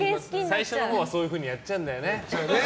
最初のほうは、そういうふうにやっちゃうんだよね。